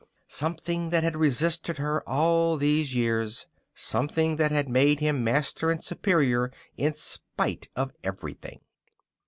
Something that had resisted her all these years. Something that had made him master and superior in spite of everything.